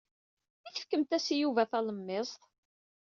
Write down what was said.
I tefkemt-as i Yuba talemmiẓt?